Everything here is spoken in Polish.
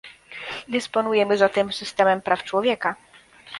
Dysponujemy zatem systemem praw człowieka